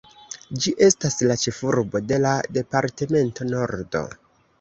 Ĝi estas la ĉefurbo de la Departemento Nordo.